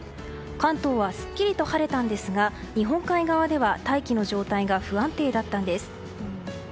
関東はすっきりと晴れたんですが日本海側では大気の状態が不安定だったんです。